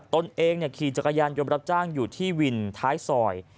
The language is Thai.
ตนเองขี่จักรยานยนต์รับจ้างอยู่ที่วินท้ายซอย